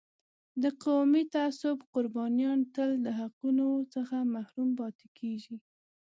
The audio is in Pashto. د قومي تعصب قربانیان تل د حقونو څخه محروم پاتې کېږي.